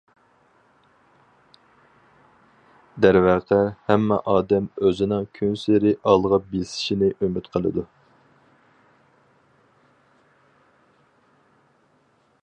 دەرۋەقە، ھەممە ئادەم ئۆزىنىڭ كۈنسېرى ئالغا بېسىشىنى ئۈمىد قىلىدۇ.